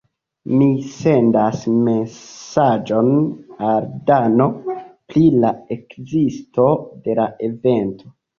Mi sendas mesaĝon al Dano pri la ekzisto de la evento.